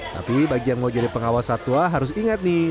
tapi bagi yang mau jadi pengawas satwa harus ingat nih